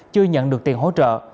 chưa nhận được tiền hỗ trợ